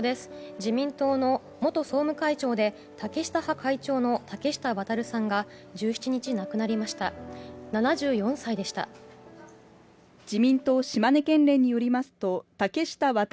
自民党の元総務会長で竹下派会長の竹下亘さんが１７日亡くなったことが分かりました。